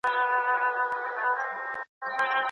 چي په ژوند کي یې قرار نه دی لیدلی